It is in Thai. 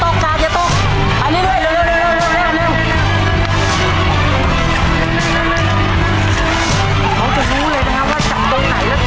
เร็วเร็วเร็วเร็วเร็วเร็วเร็วเร็วเร็วเร็วเร็วเร็วเร็ว